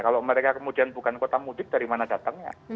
kalau mereka kemudian bukan kota mudik dari mana datangnya